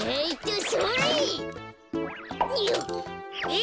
え！